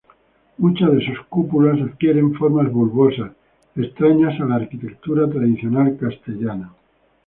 Muchas de sus cúpulas adquieren formas bulbosas, extrañas a la arquitectura tradicional castellana.